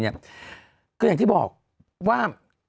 เหมือนที่บอกว่า